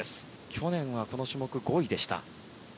去年はこの種目５位でした。